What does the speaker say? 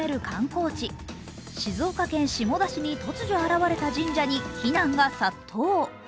観光地静岡県下田市に突如現れた神社に非難が殺到。